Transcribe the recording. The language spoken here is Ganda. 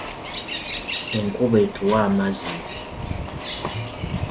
Enkuba etuwa amazzi.